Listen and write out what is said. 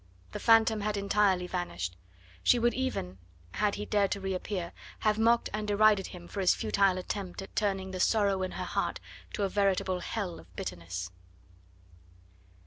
The phantom had entirely vanished. She would even, had he dared to re appear, have mocked and derided him for his futile attempt at turning the sorrow in her heart to a veritable hell of bitterness.